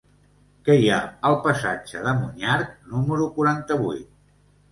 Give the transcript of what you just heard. Què hi ha al passatge de Monyarc número quaranta-vuit?